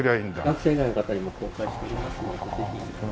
学生以外の方にも公開していますのでぜひ。